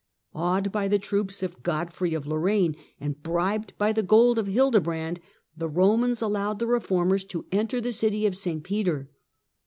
Awed by the troops of Godfrey of Lorraine, and bribed by the gold of Hildebrand, the Romans allowed the reformers to enter the city of St. Peter.